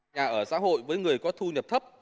nhà ở xã hội với người có thu nhập thấp